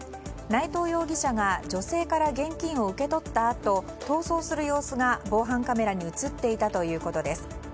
内藤容疑者が女性から現金を受け取ったあと逃走する様子が防犯カメラに映っていたということです。